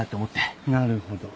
なるほど。